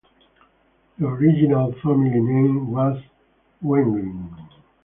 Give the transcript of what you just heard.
The original family name was "Ruengling".